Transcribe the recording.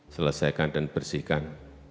selesaikan dan bersihkan